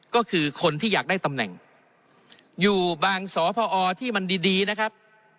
ก็คือคนที่อยากได้ตำแหน่งอยู่บางสอพอที่มันดีนะครับ